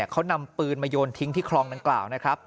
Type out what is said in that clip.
เขานำปืนมาโยนทิ้งที่คลองดังกล่าวนะครับ